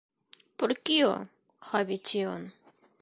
Por kio havi tion?